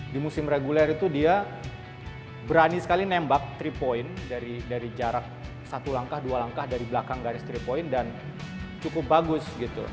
di musim reguler itu dia berani sekali nembak tiga point dari jarak satu langkah dua langkah dari belakang garis tiga point dan cukup bagus gitu